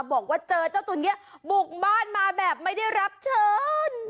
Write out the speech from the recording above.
บอกว่าเจอเจ้าตัวนี้บุกบ้านมาแบบไม่ได้รับเชิญ